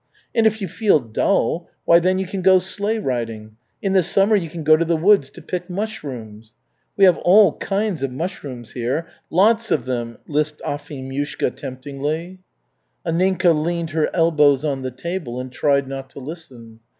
And if you feel dull, why then you can go sleigh riding. In the summer you can go to the woods to pick mushrooms." "We have all kinds of mushrooms here lots of them," lisped Afimyushka temptingly. Anninka leaned her elbows on the table and tried not to listen.